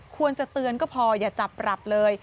ควรจะเตือนก็พออย่าจับปรับเลย